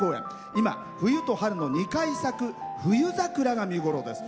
今、冬と春の２回咲く冬桜が身頃です。